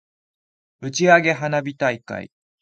打ち上げ花火大会